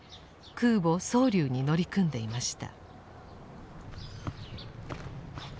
空母「蒼龍」に乗り組んでいました。